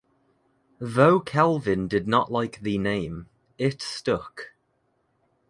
Though Clavin did not like the name, it stuck.